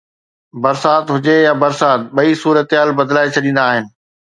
برسات هجي يا برسات، ٻئي صورتحال بدلائي ڇڏيندا آهن